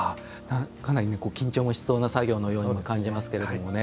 かなり緊張もしそうな作業のようにも感じますけれどもね。